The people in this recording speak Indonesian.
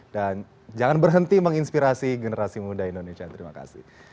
dan jangan berhenti menginspirasi generasi muda indonesia terima kasih